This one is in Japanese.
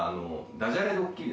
ダジャレドッキリ？